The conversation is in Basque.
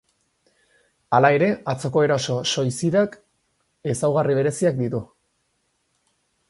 Hala ere, atzoko eraso soizidak ezaugarri bereziak ditu.